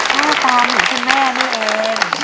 ต้องตามหนูเป็นแม่นี่เอง